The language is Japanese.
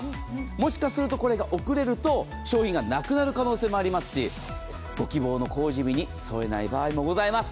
もしかすると、これが遅れると商品がなくなる可能性があるしご希望の工事日に添えない場合もございます。